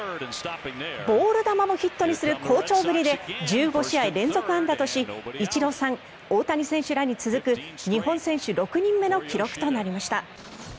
ボール球もヒットにする好調ぶりで１５試合連続安打としイチローさん、大谷選手らに続く日本選手６人目の記録となりました。